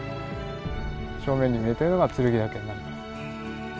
正面に見えてるのが剱岳になります。